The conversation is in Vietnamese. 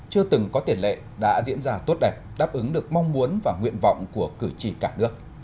chưa từng có tiền lệ đã diễn ra tốt đẹp đáp ứng được mong muốn và nguyện vọng của cử tri cả nước